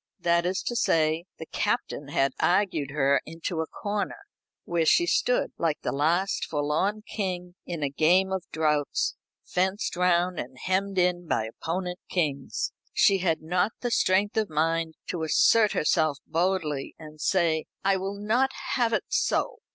That is to say, the Captain had argued her into a corner, where she stood, like the last forlorn king in a game of draughts, fenced round and hemmed in by opponent kings. She had not the strength of mind to assert herself boldly, and say: "I will not have it so.